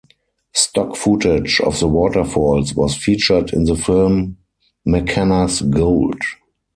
Stock footage of the waterfalls was featured in the film "Mackenna's Gold".